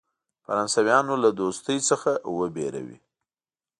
فرانسویانو له دوستی څخه وبېروي.